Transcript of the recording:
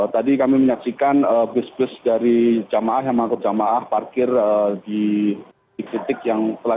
tadi kami menyaksikan bus bus dari jamaah yang mengangkut jamaah parkir di titik yang telah